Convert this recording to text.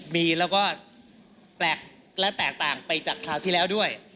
มีแล้วก็แปลกและแตกต่างไปจากคราวที่แล้วด้วย